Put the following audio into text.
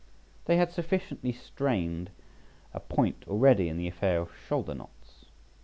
They had sufficiently strained a point already in the affair of shoulder knots.